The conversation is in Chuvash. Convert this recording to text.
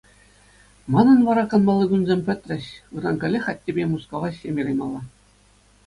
Манӑн вара канмалли кунсем пӗтрӗҫ, ыран каллех аттепе Мускава ӗҫлеме каймалла.